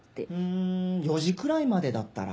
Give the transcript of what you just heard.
ん４時くらいまでだったら。